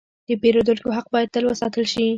د پیرودونکو حق باید تل وساتل شي.